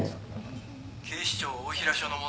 警視庁大平署の者です。